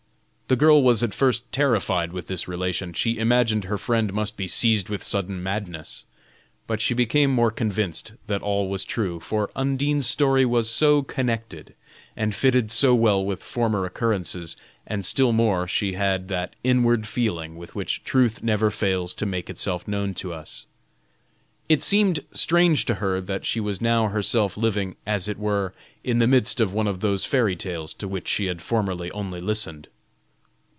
The girl was at first terrified with this relation; she imagined her friend must be seized with sudden madness, but she became more convinced that all was true, for Undine's story was so connected, and fitted so well with former occurrences, and still more she had that inward feeling with which truth never fails to make itself known to us. It seemed strange to her that she was now herself living, as it were, in the midst of one of those fairy tales to which she had formerly only listened.